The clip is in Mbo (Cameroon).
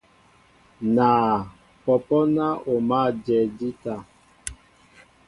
Naa , pɔ́pɔ́ ná o mǎl ajɛɛ jíta.